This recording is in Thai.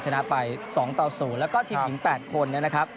ชนะไป๒ต่อ๐แล้วก็ทีมหญิง๘คนนะครับ